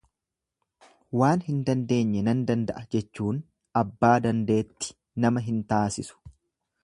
Waan hin dandeenye nan danda'a jechuun abbaa dandeetti nama hin taasisu.